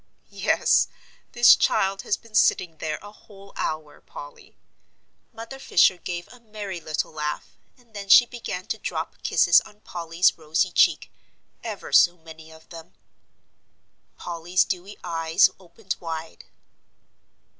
"Yes, this child has been sitting there a whole hour, Polly." Mother Fisher gave a merry little laugh, and then she began to drop kisses on Polly's rosy cheek ever so many of them. Polly's dewy eyes opened wide.